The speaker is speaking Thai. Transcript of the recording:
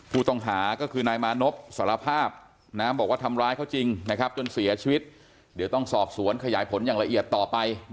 ผู้ต่องหาก็คือนายมานพสารภาพนะเดี๋ยวต้องสอบสวนขยายผลอย่างละเอียดต่อไป